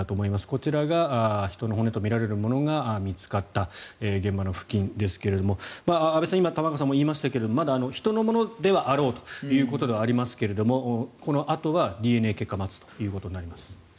こちらが人の骨とみられるものが見つかった現場付近ですが安部さん玉川さんも言いましたが人のものであろうということですがこのあとはＤＮＡの結果を待つということになります。